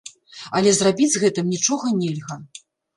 Але зрабіць з гэтым нічога нельга.